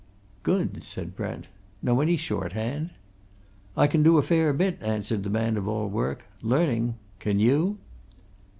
"Good!" said Brent. "Know any shorthand?" "I can do a fair bit," answered the man of all work. "Learning. Can you?"